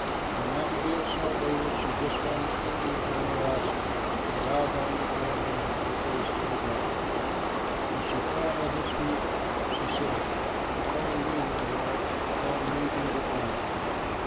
When Abigail saw David, she dismounted quickly from her ass and bowed down before him with her face to the ground. As she fell at his feet she said, "Upon me, my lord, upon me be the blame.